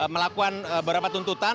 melakukan beberapa tuntutan